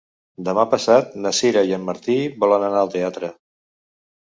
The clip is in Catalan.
Demà passat na Sira i en Martí volen anar al teatre.